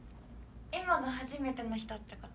エマが初めての人ってこと？